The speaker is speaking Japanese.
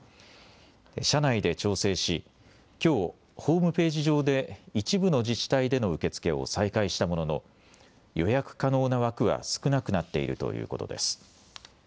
社内で調整し、きょうホームページ上で一部の自治体での受け付けを再開したものの予約可能な枠は少なくなっているということです。